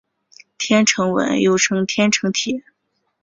天城文又称天城体。